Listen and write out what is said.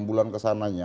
enam bulan kesananya